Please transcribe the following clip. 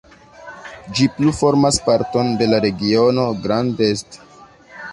Ĝi plu formas parton de la regiono Grand Est.